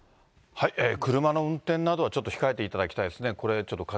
車の運転などはちょっと控えていただきたいですね。